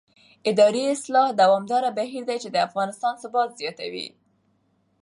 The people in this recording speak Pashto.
اداري اصلاح دوامداره بهیر دی چې د افغانستان ثبات زیاتوي